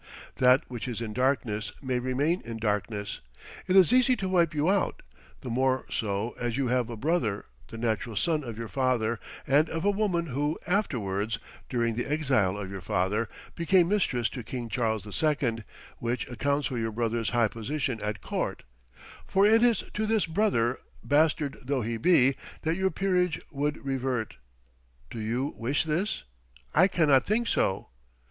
That which is in darkness may remain in darkness. It is easy to wipe you out; the more so as you have a brother, the natural son of your father and of a woman who afterwards, during the exile of your father, became mistress to King Charles II., which accounts for your brother's high position at court; for it is to this brother, bastard though he be, that your peerage would revert. Do you wish this? I cannot think so.